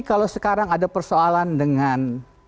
kalau sekarang ada persoalan dengan